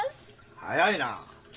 早いな。